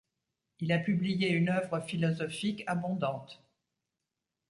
Il a publié une œuvre philosophique abondante.